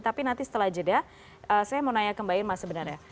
tapi nanti setelah jeda saya mau nanya kembali mas sebenarnya